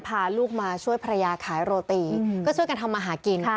พาลูกมาช่วยภรรยาขายโรตีก็ช่วยกันทำมาหากิน